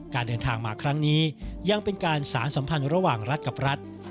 การเดินทางมาครั้งนี้ยังเป็นการสารสัมพันธ์ระหว่างรัฐกับรัฐ